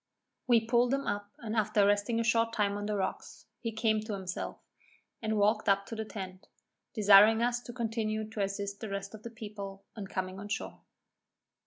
We pulled him up, and after resting a short time on the rocks, he came to himself, and walked up to the tent, desiring us to continue to assist the rest of the people in coming on shore.